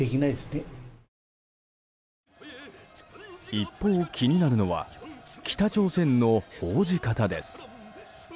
一方、気になるのは北朝鮮の報じ方です。